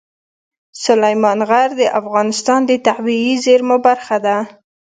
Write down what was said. سلیمان غر د افغانستان د طبیعي زیرمو برخه ده.